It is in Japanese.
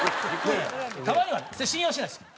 たまにはね。それ信用してないですよ。